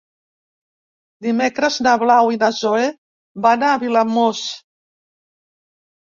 Dimecres na Blau i na Zoè van a Vilamòs.